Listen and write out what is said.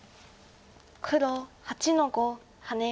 黒８の五ハネ。